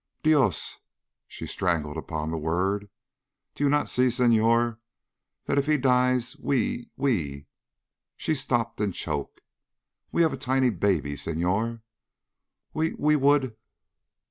"Dios " She strangled upon the word. "Do you not see, Senhor, that if he dies we we " She stopped and choked. "We have a tiny baby, Senhor. We we would...."